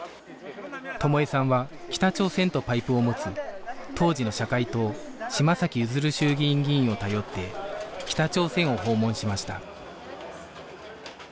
友枝さんは北朝鮮とパイプを持つ当時の社会党嶋崎譲衆議院議員を頼って北朝鮮を訪問しました